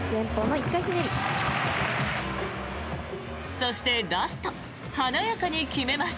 そしてラスト華やかに決めます。